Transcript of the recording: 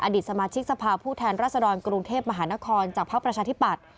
อดีตสมาชิกสภาพผู้แทนรัศดรกรุงเทพมหานครจากภพประชาธิปัตร